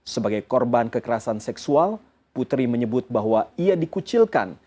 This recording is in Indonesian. sebagai korban kekerasan seksual putri menyebut bahwa ia dikucilkan